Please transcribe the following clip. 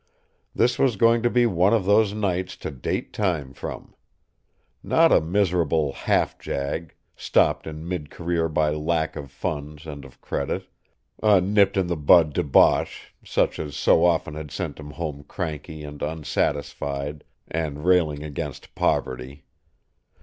This was going to be one of those nights to date time from. Not a miserable half jag, stopped in mid career by lack of funds and of credit a nipped in the bud debauch, such as so often had sent him home cranky and unsatisfied and railing against poverty.